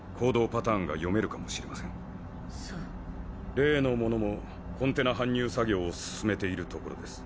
例のものもコンテナ搬入作業を進めているところです。